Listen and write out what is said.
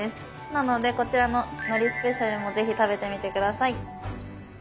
なのでこちらの「のりスペシャル」も是非食べてみて下さい。